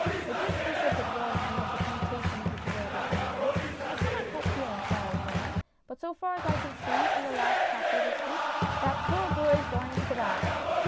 The good bishop had warned him of the temptations which awaited him there. I cannot help feeling sorry for him, but so far as I can see from the last chapter this week, that poor boy's going to the bad."